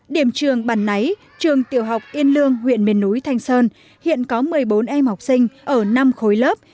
điểm trường bản náy trường tiểu học yên lương huyện miền núi thanh sơn hiện có một mươi bốn em học sinh ở năm khối lớp